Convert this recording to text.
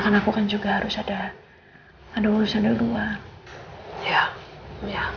apapun yang terjadi sama al ya